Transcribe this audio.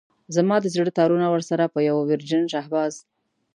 زما د زړه تارونه ورسره په يوه ويرجن شهباز.